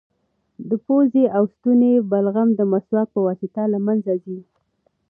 د پوزې او ستوني بلغم د مسواک په واسطه له منځه ځي.